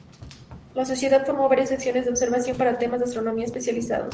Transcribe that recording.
La sociedad formó varias secciones de observación para temas de astronomía especializados.